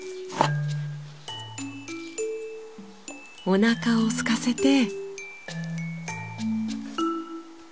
おなかをすかせて。